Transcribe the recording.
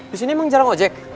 disini emang jarang ojek